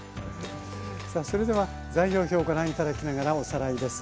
さあそれでは材料表をご覧頂きながらおさらいです。